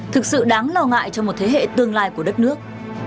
thực sự đáng lo ngại cho một thế hệ tương lai của đất nước